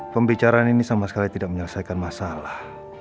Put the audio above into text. pembicaraan ini sama sekali tidak menyelesaikan masalah